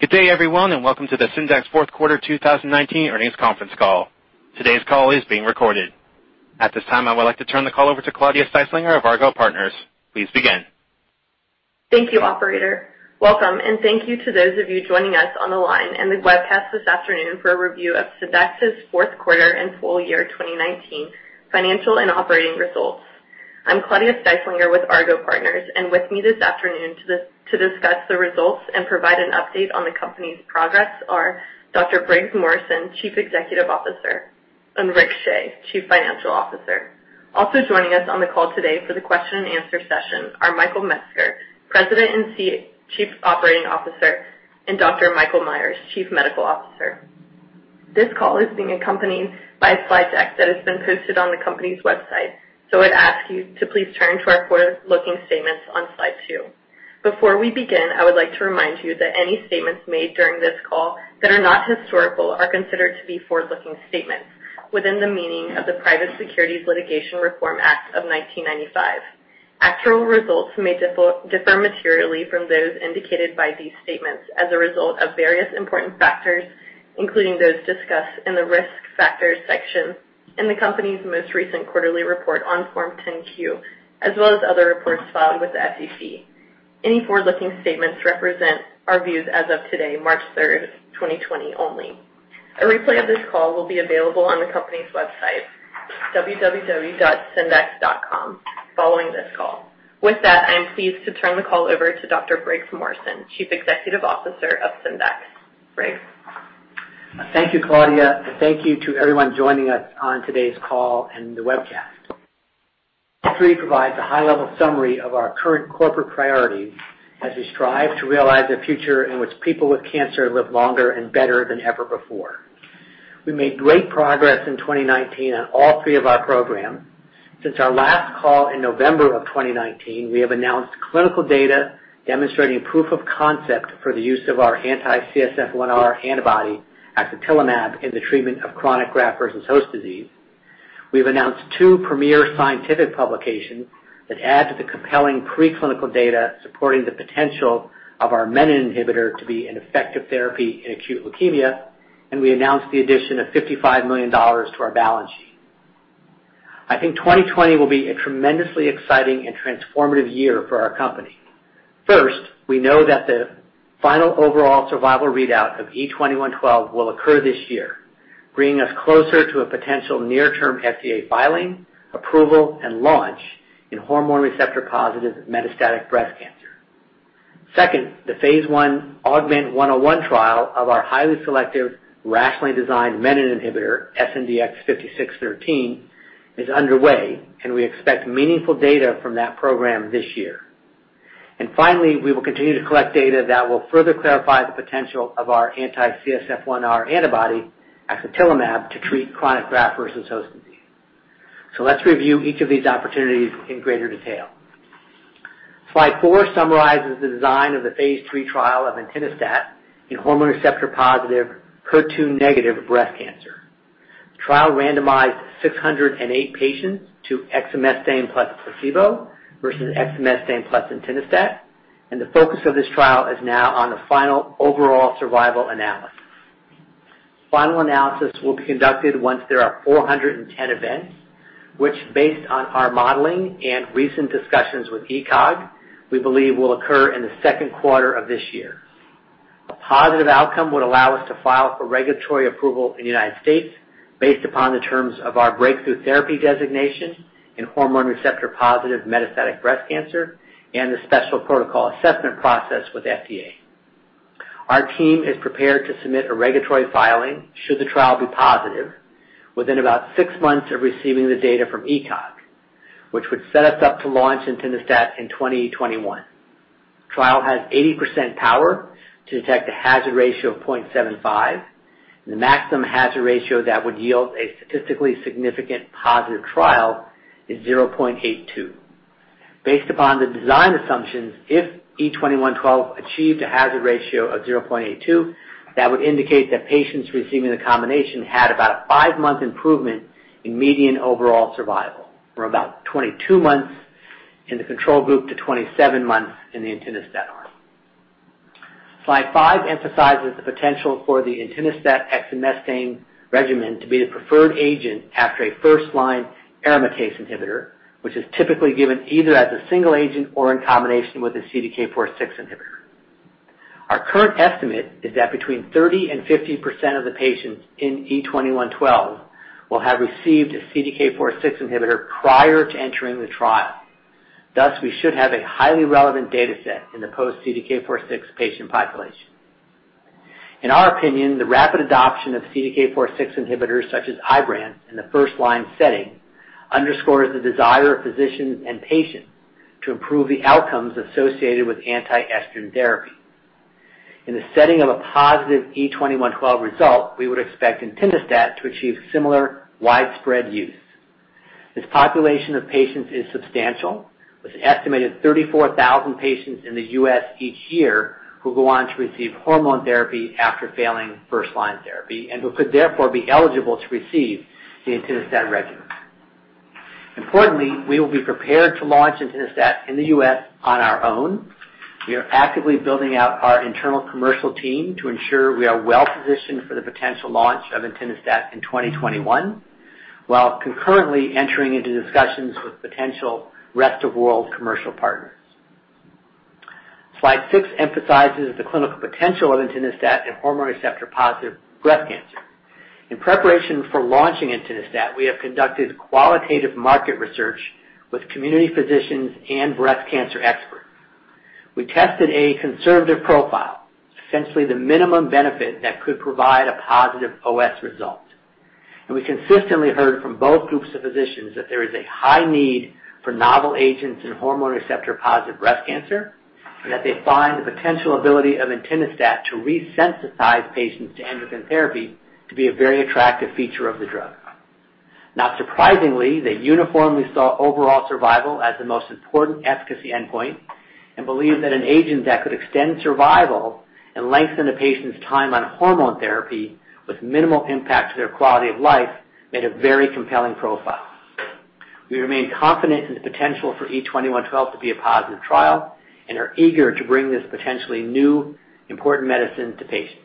Good day, everyone, and welcome to the Syndax fourth quarter 2019 earnings conference call. Today's call is being recorded. At this time, I would like to turn the call over to Claudia Styslinger of Argot Partners. Please begin. Thank you, operator. Welcome and thank you to those of you joining us on the line and the webcast this afternoon for a review of Syndax's fourth quarter and full year 2019 financial and operating results. I'm Claudia Styslinger with Argot Partners. With me this afternoon to discuss the results and provide an update on the company's progress are Dr. Briggs Morrison, Chief Executive Officer, and Rick Shea, Chief Financial Officer. Also joining us on the call today for the question and answer session are Michael Metzger, President and Chief Operating Officer, and Dr. Michael Meyers, Chief Medical Officer. This call is being accompanied by a slide deck that has been posted on the company's website. I'd ask you to please turn to our forward-looking statements on slide two. Before we begin, I would like to remind you that any statements made during this call that are not historical are considered to be forward-looking statements within the meaning of the Private Securities Litigation Reform Act of 1995. Actual results may differ materially from those indicated by these statements as a result of various important factors, including those discussed in the risk factors section in the company's most recent quarterly report on Form 10-Q, as well as other reports filed with the SEC. Any forward-looking statements represent our views as of today, March 3rd, 2020 only. A replay of this call will be available on the company's website, www.syndax.com, following this call. With that, I am pleased to turn the call over to Dr. Briggs Morrison, Chief Executive Officer of Syndax. Briggs. Thank you, Claudia, and thank you to everyone joining us on today's call and the webcast. Slide three provides a high-level summary of our current corporate priorities as we strive to realize a future in which people with cancer live longer and better than ever before. We made great progress in 2019 on all three of our programs. Since our last call in November of 2019, we have announced clinical data demonstrating proof of concept for the use of our anti-CSF-1R antibody, axatilimab, in the treatment of chronic graft-versus-host disease. We've announced two premier scientific publications that add to the compelling preclinical data supporting the potential of our menin inhibitor to be an effective therapy in acute leukemia. We announced the addition of $55 million to our balance sheet. I think 2020 will be a tremendously exciting and transformative year for our company. First, we know that the final overall survival readout of E2112 will occur this year, bringing us closer to a potential near-term FDA filing, approval, and launch in hormone receptor-positive metastatic breast cancer. Second, the phase I AUGMENT-101 trial of our highly selective, rationally designed menin inhibitor, SNDX-5613, is underway. We expect meaningful data from that program this year. Finally, we will continue to collect data that will further clarify the potential of our anti-CSF-1R antibody, axatilimab, to treat chronic graft-versus-host disease. Let's review each of these opportunities in greater detail. Slide four summarizes the design of the phase III trial of entinostat in hormone receptor-positive, HER2-negative breast cancer. The trial randomized 608 patients to exemestane plus placebo versus exemestane plus entinostat. The focus of this trial is now on the final overall survival analysis. Final analysis will be conducted once there are 410 events, which based on our modeling and recent discussions with ECOG, we believe will occur in the second quarter of this year. A positive outcome would allow us to file for regulatory approval in the United States based upon the terms of our breakthrough therapy designation in hormone receptor-positive metastatic breast cancer and the special protocol assessment process with FDA. Our team is prepared to submit a regulatory filing should the trial be positive within about six months of receiving the data from ECOG, which would set us up to launch entinostat in 2021. The trial has 80% power to detect a hazard ratio of 0.75. The maximum hazard ratio that would yield a statistically significant positive trial is 0.82. Based upon the design assumptions, if E2112 achieved a hazard ratio of 0.82, that would indicate that patients receiving the combination had about a five-month improvement in median overall survival, from about 22 months in the control group to 27 months in the entinostat arm. Slide five emphasizes the potential for the entinostat-exemestane regimen to be the preferred agent after a first-line aromatase inhibitor, which is typically given either as a single agent or in combination with a CDK4/6 inhibitor. Our current estimate is that between 30% and 50% of the patients in E2112 will have received a CDK4/6 inhibitor prior to entering the trial, thus we should have a highly relevant data set in the post-CDK4/6 patient population. In our opinion, the rapid adoption of CDK4/6 inhibitors such as IBRANCE in the first-line setting underscores the desire of physicians and patients to improve the outcomes associated with anti-estrogen therapy. In the setting of a positive E2112 result, we would expect entinostat to achieve similar widespread use. This population of patients is substantial, with an estimated 34,000 patients in the U.S. each year who go on to receive hormone therapy after failing first-line therapy and who could therefore be eligible to receive the entinostat regimen. Importantly, we will be prepared to launch entinostat in the U.S. on our own. We are actively building out our internal commercial team to ensure we are well-positioned for the potential launch of entinostat in 2021, while concurrently entering into discussions with potential rest-of-world commercial partners. Slide six emphasizes the clinical potential of entinostat in hormone receptor-positive breast cancer. In preparation for launching entinostat, we have conducted qualitative market research with community physicians and breast cancer experts. We tested a conservative profile, essentially the minimum benefit that could provide a positive OS result. We consistently heard from both groups of physicians that there is a high need for novel agents in hormone receptor-positive breast cancer, and that they find the potential ability of entinostat to resensitize patients to endocrine therapy to be a very attractive feature of the drug. Not surprisingly, they uniformly saw overall survival as the most important efficacy endpoint and believe that an agent that could extend survival and lengthen a patient's time on hormone therapy with minimal impact to their quality of life made a very compelling profile. We remain confident in the potential for E2112 to be a positive trial and are eager to bring this potentially new important medicine to patients.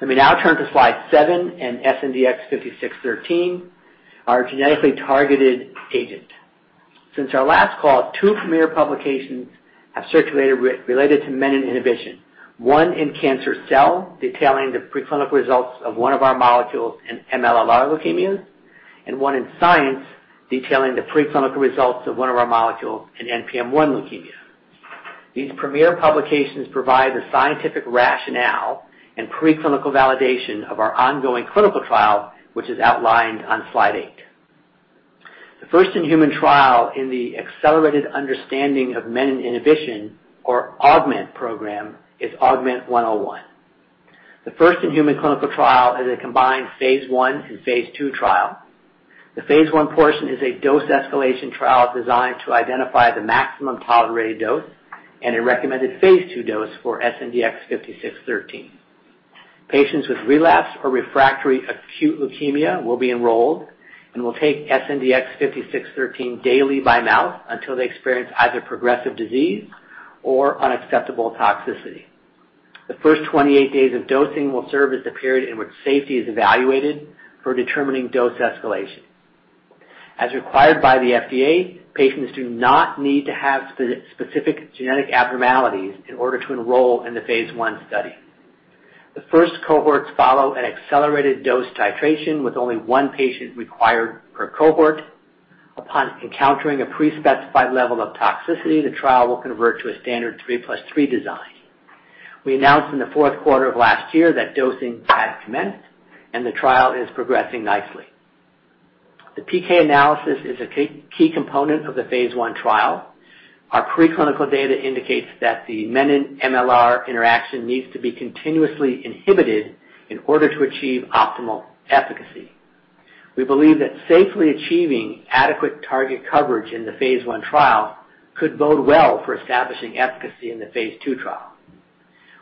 Let me now turn to slide seven and SNDX-5613, our genetically targeted agent. Since our last call, two premier publications have circulated related to menin inhibition. One in "Cancer Cell," detailing the preclinical results of one of our molecules in MLL-rearranged leukemias, and one in "Science" detailing the preclinical results of one of our molecules in NPM1 leukemia. These premier publications provide the scientific rationale and preclinical validation of our ongoing clinical trial, which is outlined on slide eight. The first-in-human trial in the Accelerated Understanding of Menin Inhibition, or AUGMENT Program, is AUGMENT-101. The first-in-human clinical trial is a combined phase I and phase II trial. The phase I portion is a dose escalation trial designed to identify the maximum tolerated dose and a recommended phase II dose for SNDX-5613. Patients with relapsed or refractory acute leukemia will be enrolled and will take SNDX-5613 daily by mouth until they experience either progressive disease or unacceptable toxicity. The first 28 days of dosing will serve as the period in which safety is evaluated for determining dose escalation. As required by the FDA, patients do not need to have specific genetic abnormalities in order to enroll in the phase I study. The first cohorts follow an accelerated dose titration with only one patient required per cohort. Upon encountering a pre-specified level of toxicity, the trial will convert to a standard three plus three design. We announced in the fourth quarter of last year that dosing had commenced and the trial is progressing nicely. The PK analysis is a key component of the phase I trial. Our preclinical data indicates that the menin-MLL-r interaction needs to be continuously inhibited in order to achieve optimal efficacy. We believe that safely achieving adequate target coverage in the phase I trial could bode well for establishing efficacy in the phase II trial.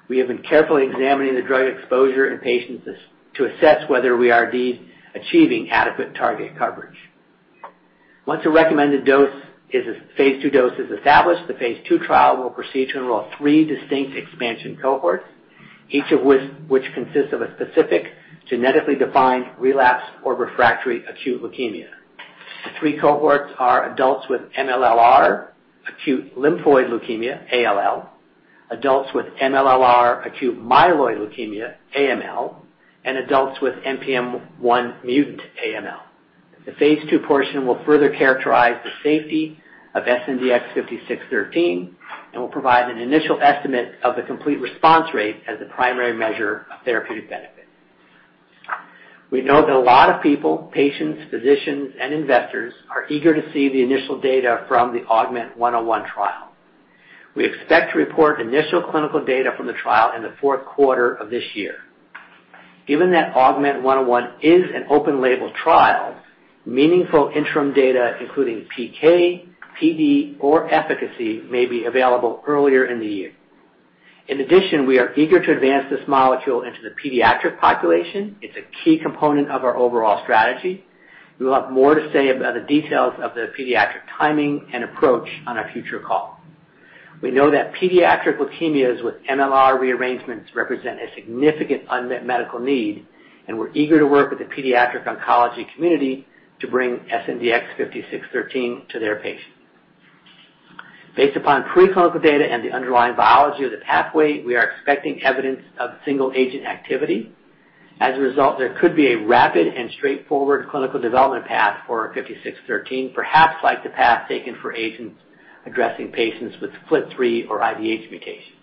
We have been carefully examining the drug exposure in patients to assess whether we are indeed achieving adequate target coverage. Once a recommended phase II dose is established, the phase II trial will proceed to enroll three distinct expansion cohorts, each of which consists of a specific genetically defined relapsed or refractory acute leukemia. The three cohorts are adults with MLL-r acute lymphoid leukemia, ALL, adults with MLL-r acute myeloid leukemia, AML, and adults with NPM1 mutant AML. The phase II portion will further characterize the safety of SNDX-5613 and will provide an initial estimate of the complete response rate as a primary measure of therapeutic benefit. We know that a lot of people, patients, physicians, and investors, are eager to see the initial data from the AUGMENT-101 trial. We expect to report initial clinical data from the trial in the fourth quarter of this year. Given that AUGMENT-101 is an open label trial, meaningful interim data including PK, PD, or efficacy may be available earlier in the year. In addition, we are eager to advance this molecule into the pediatric population. It's a key component of our overall strategy. We will have more to say about the details of the pediatric timing and approach on our future call. We know that pediatric leukemias with MLL-r rearrangements represent a significant unmet medical need, and we're eager to work with the pediatric oncology community to bring SNDX-5613 to their patients. Based upon preclinical data and the underlying biology of the pathway, we are expecting evidence of single agent activity. As a result, there could be a rapid and straightforward clinical development path for 5613, perhaps like the path taken for agents addressing patients with FLT3 or IDH mutations.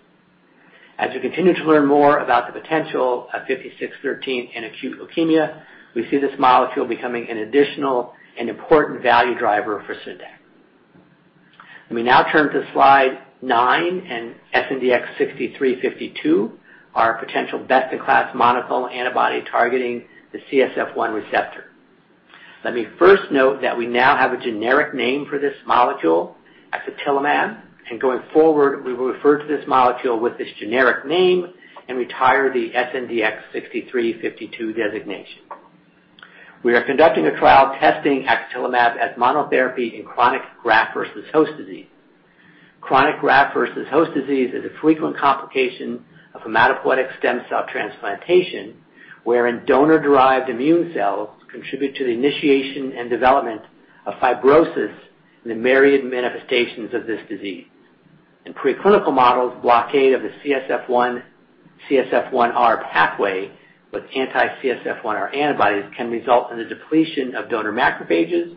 As we continue to learn more about the potential of 5613 in acute leukemia, we see this molecule becoming an additional and important value driver for Syndax. Let me now turn to slide nine and SNDX-6352, our potential best-in-class monoclonal antibody targeting the CSF-1 receptor. Let me first note that we now have a generic name for this molecule, axatilimab, going forward, we will refer to this molecule with its generic name and retire the SNDX-6352 designation. We are conducting a trial testing axatilimab as monotherapy in chronic graft-versus-host disease. Chronic graft-versus-host disease is a frequent complication of hematopoietic stem cell transplantation, wherein donor-derived immune cells contribute to the initiation and development of fibrosis in the myriad manifestations of this disease. In preclinical models, blockade of the CSF-1, CSF-1R pathway with anti-CSF-1R antibodies can result in the depletion of donor macrophages,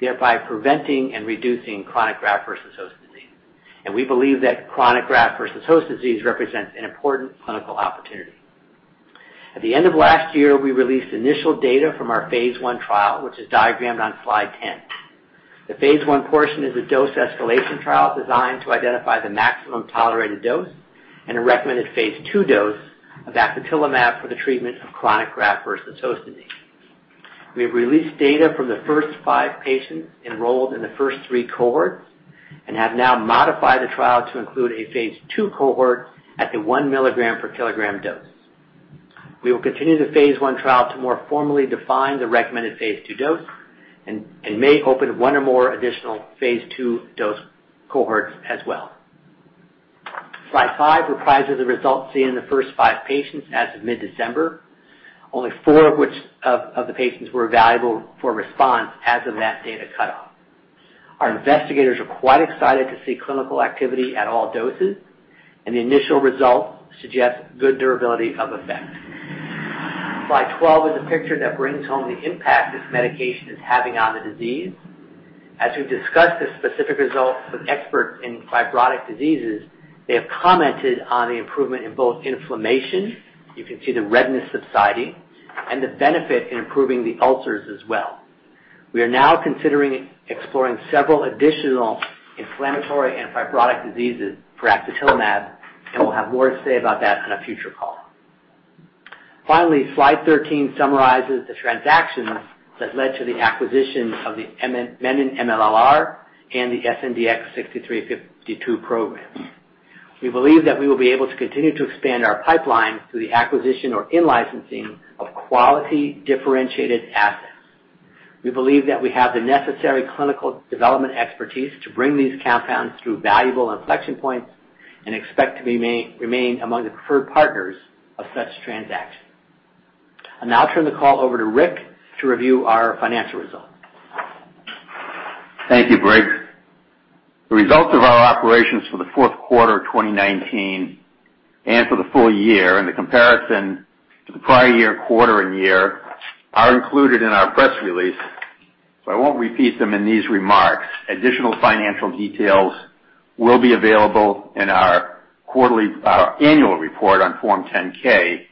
thereby preventing and reducing chronic graft-versus-host disease. We believe that chronic graft-versus-host disease represents an important clinical opportunity. At the end of last year, we released initial data from our phase I trial, which is diagrammed on slide 10. The phase I portion is a dose escalation trial designed to identify the maximum tolerated dose and a recommended phase II dose of axatilimab for the treatment of chronic graft-versus-host disease. We have released data from the first five patients enrolled in the first three cohorts and have now modified the trial to include a phase II cohort at the 1 mg per kilogram dose. We will continue the phase I trial to more formally define the recommended phase II dose and may open one or more additional phase II dose cohorts as well. Slide five reprises the results seen in the first five patients as of mid-December, only four of the patients were valuable for response as of that data cutoff. Our investigators are quite excited to see clinical activity at all doses, and the initial results suggest good durability of effect. Slide 12 is a picture that brings home the impact this medication is having on the disease. As we've discussed the specific results with experts in fibrotic diseases, they have commented on the improvement in both inflammation, you can see the redness subsiding, and the benefit in improving the ulcers as well. We are now considering exploring several additional inflammatory and fibrotic diseases for axatilimab, and we'll have more to say about that on a future call. Finally, slide 13 summarizes the transactions that led to the acquisition of the menin-MLL-r and the SNDX-6352 programs. We believe that we will be able to continue to expand our pipeline through the acquisition or in-licensing of quality differentiated assets. We believe that we have the necessary clinical development expertise to bring these compounds through valuable inflection points and expect to remain among the preferred partners of such transactions. I'll now turn the call over to Rick to review our financial results. Thank you, Briggs. The results of our operations for the fourth quarter 2019 and for the full year, and the comparison to the prior year, quarter, and year, are included in our press release, so I won't repeat them in these remarks. Additional financial details will be available in our annual report on Form 10-K,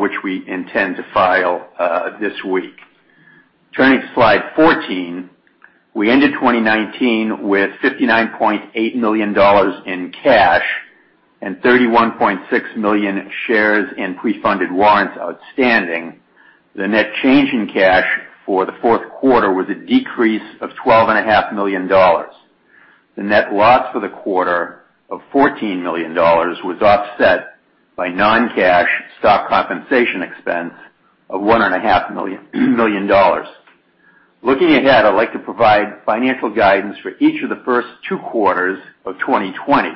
which we intend to file this week. Turning to slide 14, we ended 2019 with $59.8 million in cash and 31.6 million shares in pre-funded warrants outstanding. The net change in cash for the fourth quarter was a decrease of $12.5 million. The net loss for the quarter of $14 million was offset by non-cash stock compensation expense of $1.5 million. Looking ahead, I'd like to provide financial guidance for each of the first two quarters of 2020.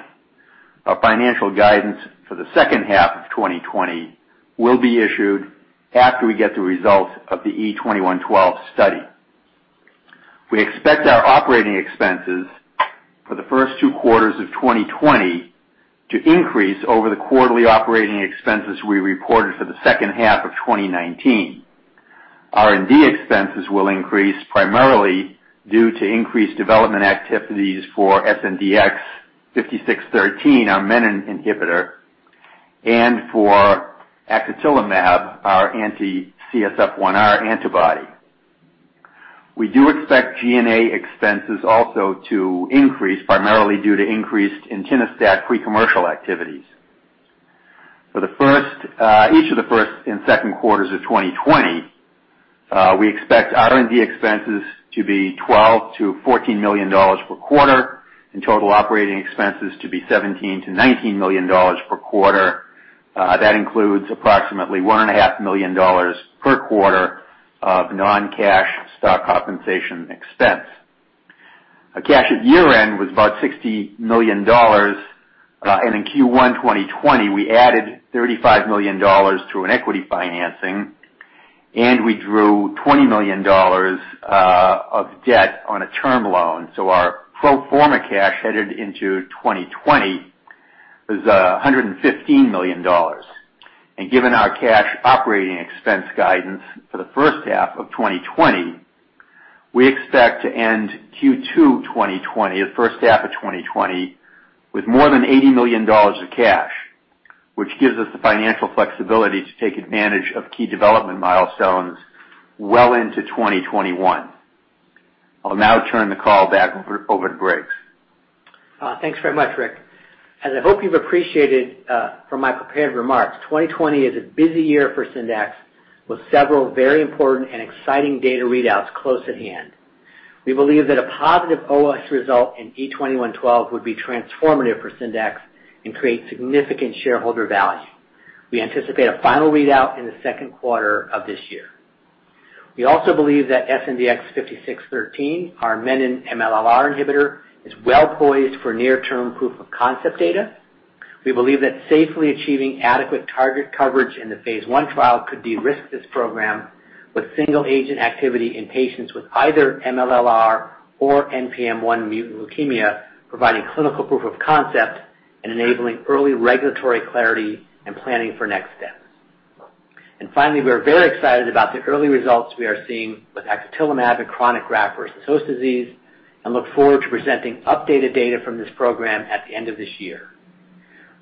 Our financial guidance for the second half of 2020 will be issued after we get the results of the E2112 study. We expect our operating expenses for the first two quarters of 2020 to increase over the quarterly operating expenses we reported for the second half of 2019. R&D expenses will increase primarily due to increased development activities for SNDX-5613, our menin inhibitor, and for axatilimab, our anti-CSF-1R antibody. We do expect G&A expenses also to increase primarily due to increased entinostat pre-commercial activities. For each of the first and second quarters of 2020, we expect R&D expenses to be $12 million-$14 million per quarter and total operating expenses to be $17 million-$19 million per quarter. That includes approximately $1.5 million per quarter of non-cash stock compensation expense. Our cash at year-end was about $60 million, and in Q1 2020, we added $35 million to an equity financing, and we drew $20 million of debt on a term loan. Our pro forma cash headed into 2020 was $115 million. Given our cash operating expense guidance for the first half of 2020, we expect to end Q2 2020, the first half of 2020, with more than $80 million of cash, which gives us the financial flexibility to take advantage of key development milestones well into 2021. I'll now turn the call back over to Briggs. Thanks very much, Rick. As I hope you've appreciated from my prepared remarks, 2020 is a busy year for Syndax with several very important and exciting data readouts close at hand. We believe that a positive OS result in E2112 would be transformative for Syndax and create significant shareholder value. We anticipate a final readout in the second quarter of this year. We also believe that SNDX-5613, our menin-MLL-r inhibitor, is well-poised for near-term proof of concept data. We believe that safely achieving adequate target coverage in the phase I trial could de-risk this program with single agent activity in patients with either MLL-r or NPM1 mutant leukemia, providing clinical proof of concept and enabling early regulatory clarity and planning for next steps. Finally, we are very excited about the early results we are seeing with axatilimab in chronic graft-versus-host disease and look forward to presenting updated data from this program at the end of this year.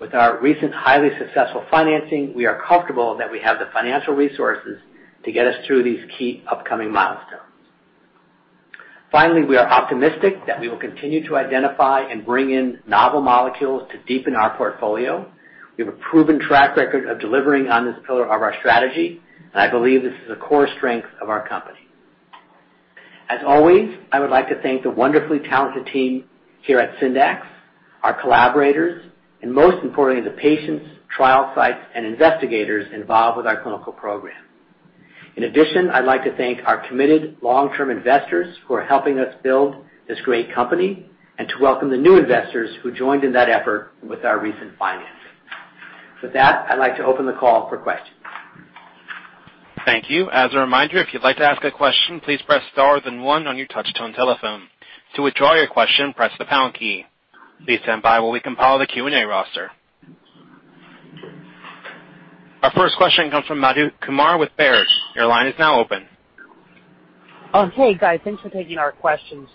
With our recent highly successful financing, we are comfortable that we have the financial resources to get us through these key upcoming milestones. Finally, we are optimistic that we will continue to identify and bring in novel molecules to deepen our portfolio. We have a proven track record of delivering on this pillar of our strategy, and I believe this is a core strength of our company. As always, I would like to thank the wonderfully talented team here at Syndax, our collaborators, and most importantly, the patients, trial sites, and investigators involved with our clinical program. In addition, I'd like to thank our committed long-term investors who are helping us build this great company and to welcome the new investors who joined in that effort with our recent financing. With that, I'd like to open the call for questions. Thank you. As a reminder, if you'd like to ask a question, please press star then one on your touchtone telephone. To withdraw your question, press the pound key. Please stand by while we compile the Q&A roster. Our first question comes from Madhu Kumar with Baird. Your line is now open. Hey, guys. Thanks for taking our question.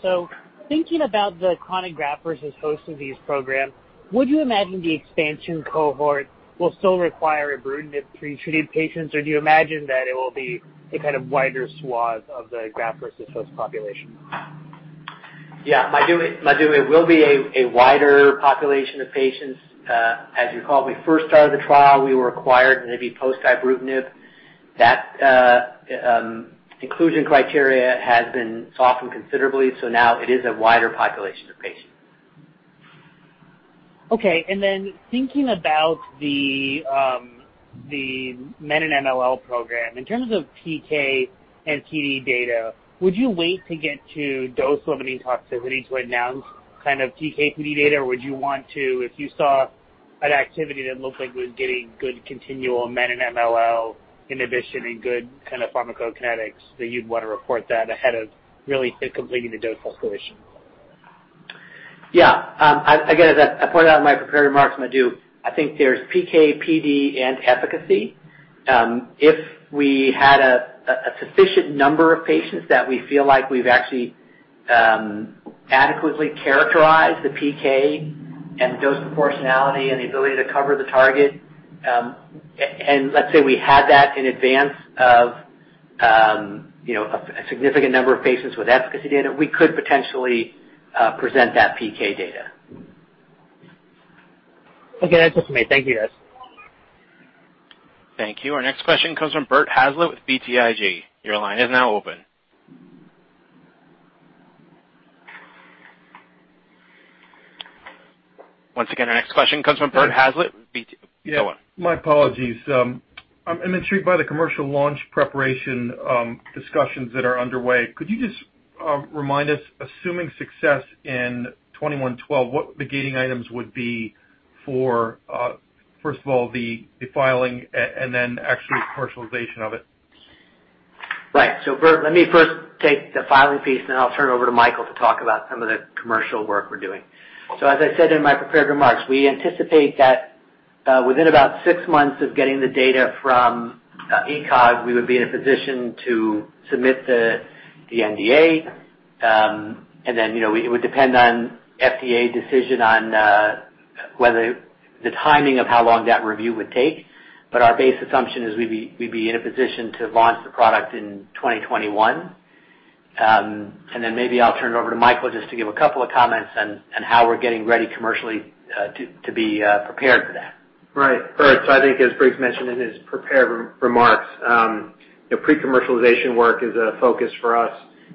Thinking about the chronic graft-versus-host disease program, would you imagine the expansion cohort will still require ibrutinib pre-treated patients or do you imagine that it will be a kind of wider swathe of the graft-versus-host population? Yeah, Madhu, it will be a wider population of patients. As you recall, when we first started the trial, we required it to be post-ibrutinib. That inclusion criteria has been softened considerably, so now it is a wider population of patients. Okay. Thinking about the menin-MLL-r program, in terms of PK and PD data, would you wait to get to dose-limiting toxicity to announce PK/PD data, or would you want to, if you saw an activity that looked like it was getting good continual menin-MLL inhibition and good pharmacokinetics that you'd want to report that ahead of really completing the dose escalation? Yeah. Again, as I pointed out in my prepared remarks, Madhu, I think there is PK, PD, and efficacy. If we had a sufficient number of patients that we feel like we have actually adequately characterized the PK and dose proportionality and the ability to cover the target, and let us say we had that in advance of a significant number of patients with efficacy data, we could potentially present that PK data. Okay. That's what I mean. Thank you, guys. Thank you. Our next question comes from Bert Hazlett with BTIG. Your line is now open. Once again, our next question comes from Bert Hazlett with BTIG. Go on. Yeah. My apologies. I'm intrigued by the commercial launch preparation discussions that are underway. Could you just remind us, assuming success in E2112, what the gating items would be for, first of all, the filing and then actually commercialization of it? Right. Bert, let me first take the filing piece, and then I'll turn it over to Michael to talk about some of the commercial work we're doing. As I said in my prepared remarks, we anticipate that within about six months of getting the data from ECOG, we would be in a position to submit the NDA. It would depend on FDA decision on the timing of how long that review would take. Our base assumption is we'd be in a position to launch the product in 2021. Maybe I'll turn it over to Michael just to give a couple of comments on how we're getting ready commercially to be prepared for that. Bert, I think as Briggs mentioned in his prepared remarks, pre-commercialization work is a focus for us,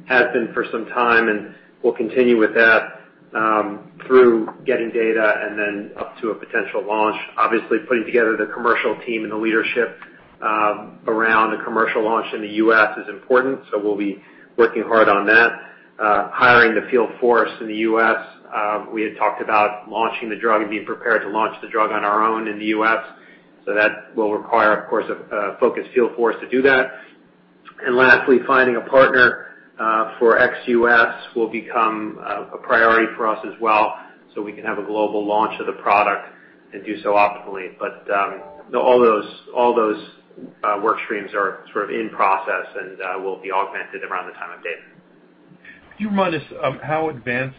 has been for some time, and we'll continue with that through getting data and then up to a potential launch. Obviously, putting together the commercial team and the leadership around the commercial launch in the U.S. is important, so we'll be working hard on that. Hiring the field force in the U.S., we had talked about launching the drug and being prepared to launch the drug on our own in the U.S., so that will require, of course, a focused field force to do that. Lastly, finding a partner for ex-U.S. will become a priority for us as well, so we can have a global launch of the product and do so optimally. All those work streams are sort of in process and will be augmented around the time of data. Can you remind us how advanced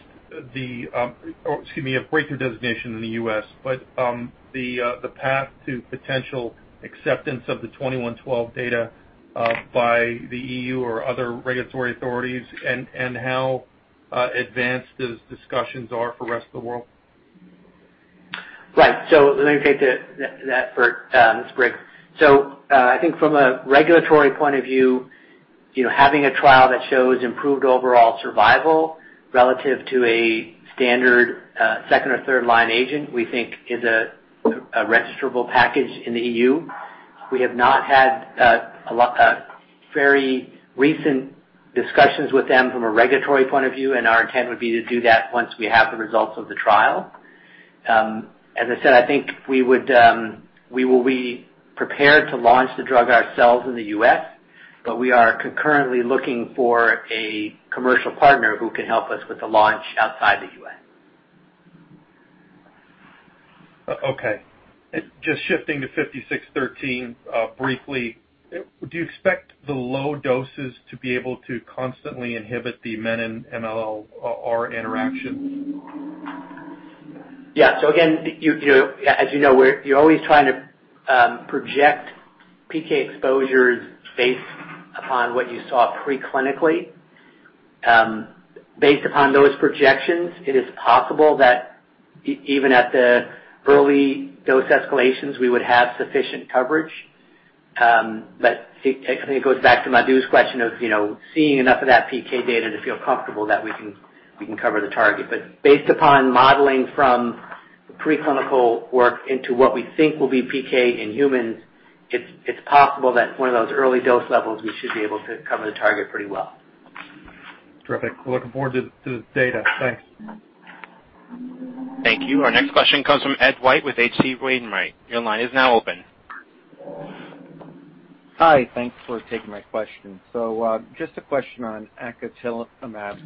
a breakthrough designation in the U.S., but the path to potential acceptance of the 2112 data by the EU or other regulatory authorities and how advanced those discussions are for the rest of the world? Right. Let me take that first, it's Rick. I think from a regulatory point of view, having a trial that shows improved overall survival relative to a standard second or third line agent, we think is a registerable package in the EU. We have not had very recent discussions with them from a regulatory point of view, and our intent would be to do that once we have the results of the trial. As I said, I think we will be prepared to launch the drug ourselves in the U.S., but we are concurrently looking for a commercial partner who can help us with the launch outside the U.S. Okay. Just shifting to 5613, briefly, do you expect the low doses to be able to constantly inhibit the menin-MLL-r interaction? Yeah. Again, as you know, you're always trying to project PK exposures based upon what you saw pre-clinically. Based upon those projections, it is possible that even at the early dose escalations, we would have sufficient coverage. I think it goes back to Madhu's question of seeing enough of that PK data to feel comfortable that we can cover the target. Based upon modeling from the pre-clinical work into what we think will be PK in humans, it's possible that one of those early dose levels, we should be able to cover the target pretty well. Terrific. We're looking forward to the data. Thanks. Thank you. Our next question comes from Ed White with H.C. Wainwright. Your line is now open. Hi. Thanks for taking my question. Just a question on axatilimab.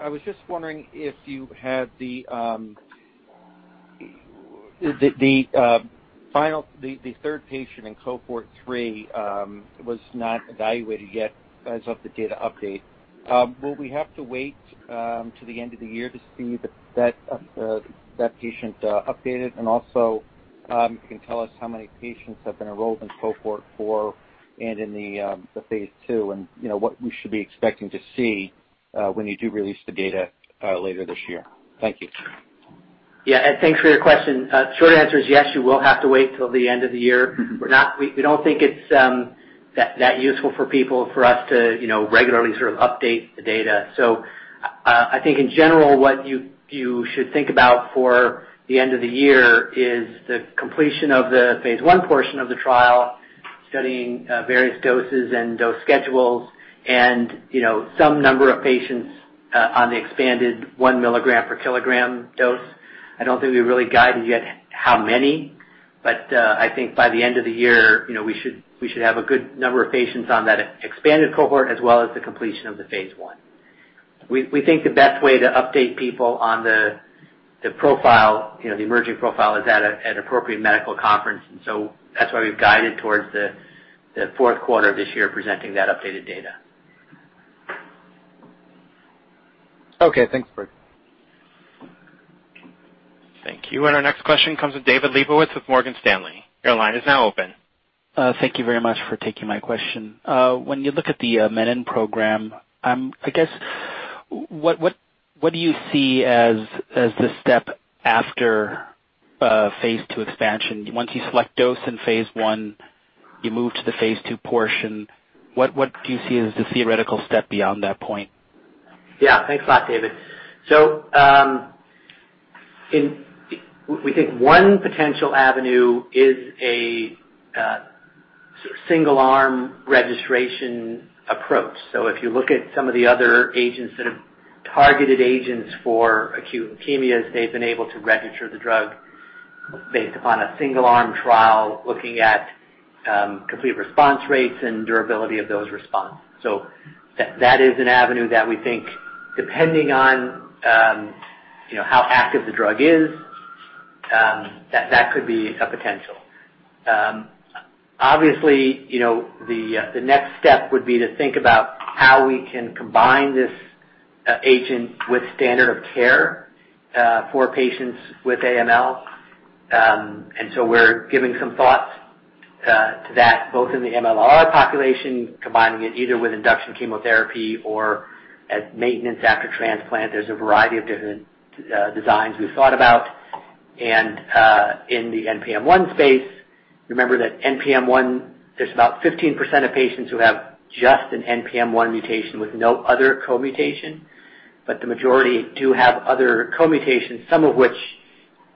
I was just wondering if you had the third patient in cohort 3, was not evaluated yet as of the data update. Will we have to wait until the end of the year to see that patient updated, and also, if you can tell us how many patients have been enrolled in cohort 4 and in the phase II, and what we should be expecting to see when you do release the data later this year? Thank you. Yeah, Ed, thanks for your question. Short answer is yes, you will have to wait till the end of the year. We don't think it's that useful for people for us to regularly sort of update the data. I think in general, what you should think about for the end of the year is the completion of the phase I portion of the trial, studying various doses and dose schedules and some number of patients on the expanded 1 mg per kilogram dose. I don't think we've really guided yet how many, but I think by the end of the year, we should have a good number of patients on that expanded cohort, as well as the completion of the phase I. We think the best way to update people on the emerging profile is at appropriate medical conference, and so that's why we've guided towards the fourth quarter of this year presenting that updated data. Okay. Thanks, Briggs. Thank you. Our next question comes with David Lebowitz with Morgan Stanley. Your line is now open. Thank you very much for taking my question. When you look at the menin program, I guess, what do you see as the step after phase II expansion? Once you select dose in phase I, you move to the phase II portion. What do you see as the theoretical step beyond that point? Thanks a lot, David. We think one potential avenue is a single arm registration approach. If you look at some of the other agents that have targeted agents for acute leukemias, they've been able to register the drug based upon a single arm trial, looking at complete response rates and durability of those responses. That is an avenue that we think, depending on how active the drug is, that could be a potential. Obviously, the next step would be to think about how we can combine this agent with standard of care for patients with AML, we're giving some thoughts to that, both in the MLL-r population, combining it either with induction chemotherapy or as maintenance after transplant. There's a variety of different designs we've thought about. In the NPM1 space, remember that NPM1, there's about 15% of patients who have just an NPM1 mutation with no other co-mutation. The majority do have other co-mutations, some of which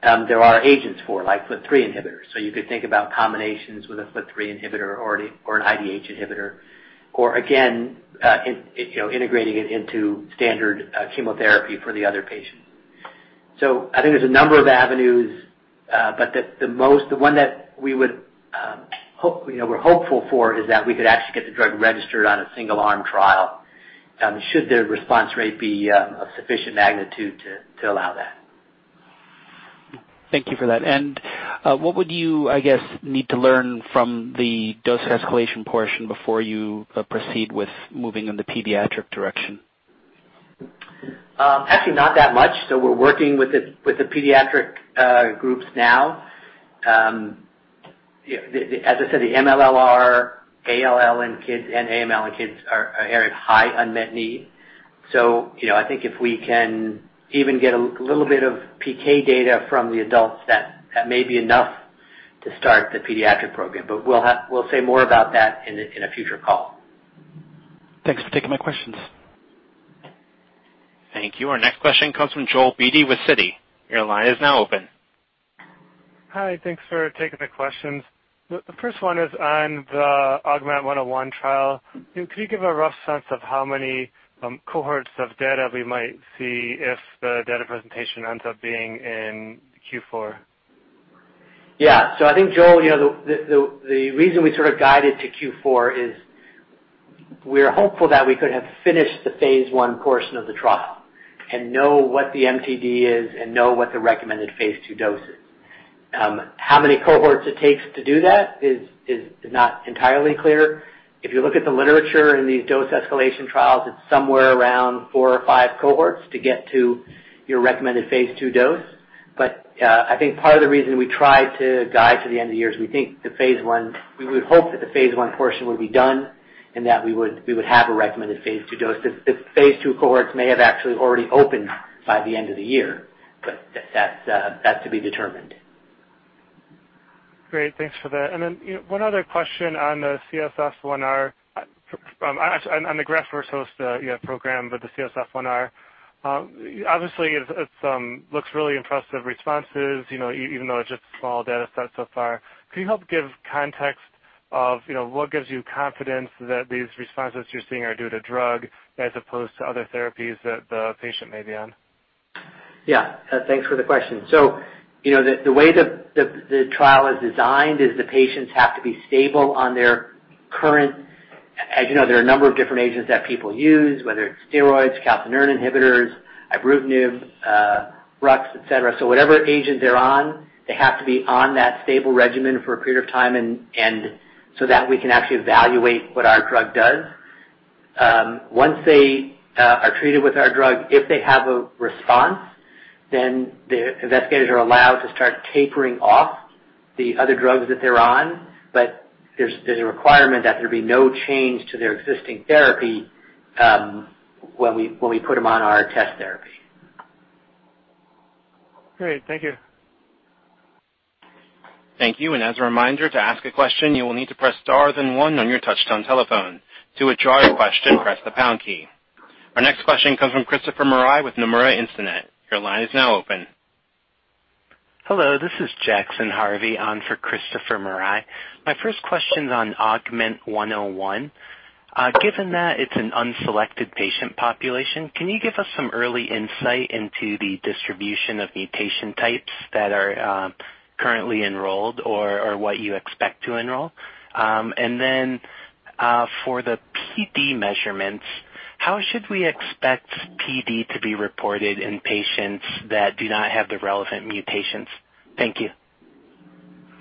there are agents for, like FLT3 inhibitors. You could think about combinations with a FLT3 inhibitor or an IDH inhibitor. Again, integrating it into standard chemotherapy for the other patients. I think there's a number of avenues, but the one that we're hopeful for is that we could actually get the drug registered on a single arm trial, should their response rate be of sufficient magnitude to allow that. Thank you for that. What would you, I guess, need to learn from the dose escalation portion before you proceed with moving in the pediatric direction? Actually, not that much. We're working with the pediatric groups now. As I said, the MLL-r, ALL in kids, and AML in kids are high unmet need. I think if we can even get a little bit of PK data from the adults, that may be enough to start the pediatric program. We'll say more about that in a future call. Thanks for taking my questions. Thank you. Our next question comes from Joel Beatty with Citi. Your line is now open. Hi. Thanks for taking the questions. The first one is on the AUGMENT-101 trial. Could you give a rough sense of how many cohorts of data we might see if the data presentation ends up being in Q4? I think, Joel, the reason we sort of guided to Q4 is we were hopeful that we could have finished the phase I portion of the trial and know what the MTD is and know what the recommended phase II dose is. How many cohorts it takes to do that is not entirely clear. If you look at the literature in these dose escalation trials, it's somewhere around four or five cohorts to get to your recommended phase II dose. I think part of the reason we try to guide to the end of the year is we would hope that the phase I portion would be done and that we would have a recommended phase II dose. The phase II cohorts may have actually already opened by the end of the year, that's to be determined. Great. Thanks for that. Then one other question on the CSF-1R, on the graft-versus-host program with the CSF-1R. Obviously, it looks really impressive responses, even though it's just a small data set so far. Could you help give context of what gives you confidence that these responses you're seeing are due to drug as opposed to other therapies that the patient may be on? Thanks for the question. The way the trial is designed is the patients have to be stable on their current. As you know, there are a number of different agents that people use, whether it's steroids, calcineurin inhibitors, ibrutinib, ruxolitinib, et cetera. Whatever agent they're on, they have to be on that stable regimen for a period of time, so that we can actually evaluate what our drug does. Once they are treated with our drug, if they have a response, the investigators are allowed to start tapering off the other drugs that they're on. There's a requirement that there be no change to their existing therapy, when we put them on our test therapy. Great. Thank you. Thank you. As a reminder, to ask a question, you will need to press star then one on your touch-tone telephone. To withdraw your question, press the pound key. Our next question comes from Christopher Marai with Nomura Instinet. Your line is now open. Hello, this is Jackson Harvey on for Christopher Marai. My first question's on AUGMENT-101. Given that it's an unselected patient population, can you give us some early insight into the distribution of mutation types that are currently enrolled or what you expect to enroll? For the PD measurements, how should we expect PD to be reported in patients that do not have the relevant mutations? Thank you.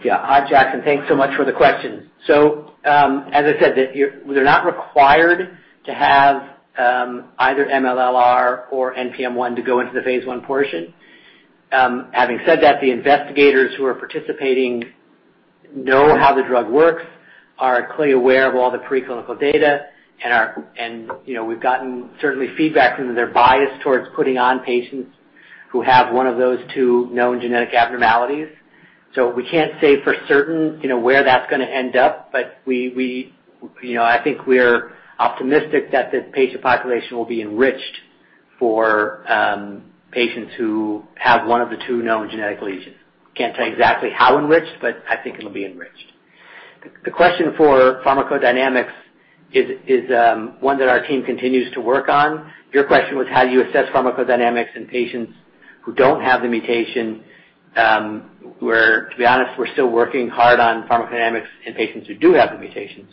Hi, Jackson. Thanks so much for the question. As I said, they're not required to have either MLL-r or NPM1 to go into the phase I portion. Having said that, the investigators who are participating know how the drug works, are clearly aware of all the preclinical data, and we've gotten certainly feedback from their bias towards putting on patients who have one of those two known genetic abnormalities. We can't say for certain where that's gonna end up, but I think we're optimistic that the patient population will be enriched for patients who have one of the two known genetic lesions. Can't tell you exactly how enriched, but I think it'll be enriched. The question for pharmacodynamics is one that our team continues to work on. Your question was how do you assess pharmacodynamics in patients who don't have the mutation, where to be honest, we're still working hard on pharmacodynamics in patients who do have the mutation.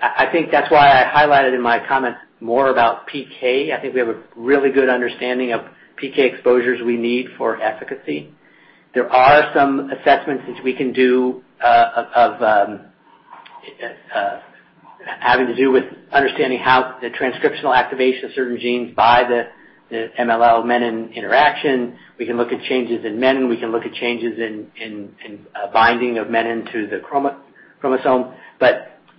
I think that's why I highlighted in my comments more about PK. I think we have a really good understanding of PK exposures we need for efficacy. There are some assessments which we can do, having to do with understanding how the transcriptional activation of certain genes by the MLL menin interaction. We can look at changes in menin. We can look at changes in binding of menin to the chromosome.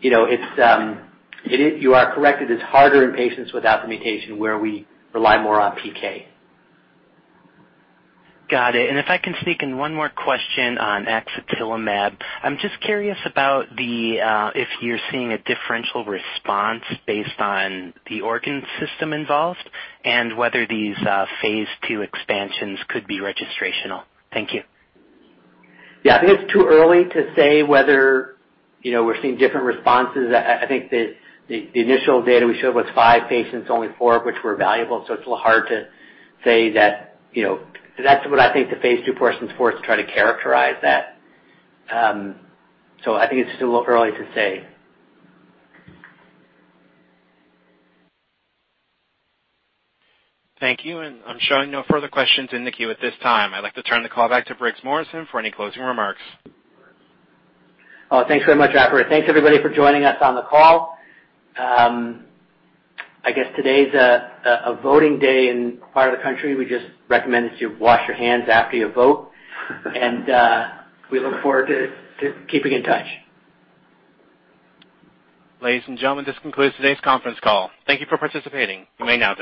You are correct. It is harder in patients without the mutation, where we rely more on PK. Got it. If I can sneak in one more question on axatilimab. I'm just curious about if you're seeing a differential response based on the organ system involved and whether these phase II expansions could be registrational. Thank you. I think it's too early to say whether we're seeing different responses. I think the initial data we showed was five patients, only four of which were valuable. It's a little hard to say that. That's what I think the phase II portion's for, to try to characterize that. I think it's still a little early to say. Thank you. I'm showing no further questions in the queue at this time. I'd like to turn the call back to Briggs Morrison for any closing remarks. Thanks very much, operator. Thanks everybody for joining us on the call. I guess today's a voting day in part of the country. We just recommend that you wash your hands after you vote. We look forward to keeping in touch. Ladies and gentlemen, this concludes today's conference call. Thank you for participating. You may now disconnect.